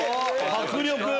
迫力！